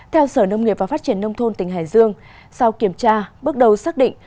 theo sở nông nghiệp và phát triển nông thôn tỉnh hải dương sau kiểm tra bước đầu xác định